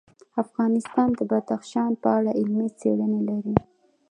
افغانستان د بدخشان په اړه علمي څېړنې لري.